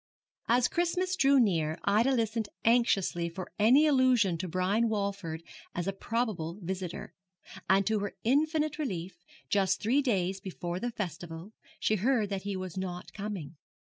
As Christmas drew near Ida listened anxiously for any allusion to Brian Walford as a probable visitor; and to her infinite relief, just three days before the festival, she heard that he was not coming.